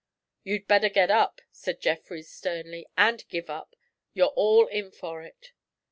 'You'd better get up,' said Jeffrys sternly, 'and give up. You're all in for it.'